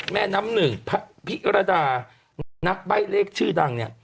แม่น้ำหนึ่งพิรดานักใบ้เลขชื่อดังเนี่ย